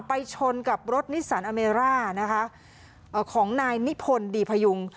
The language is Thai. ไปชนกับรถนิสันอเมร่านะคะของนายนิพนธ์ดีพยุง